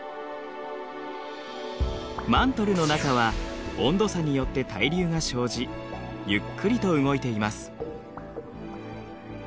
マントルの中は温度差によって対流が生じゆっくりと動いています。